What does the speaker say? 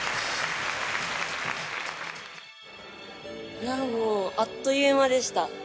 いやもうあっという間でした。